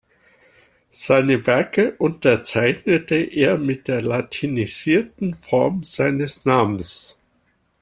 Seine Werke unterzeichnete er mit der latinisierten Form seines Namens.